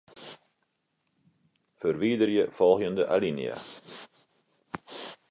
Ferwiderje folgjende alinea.